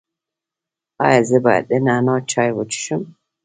ایا زه باید د نعناع چای وڅښم؟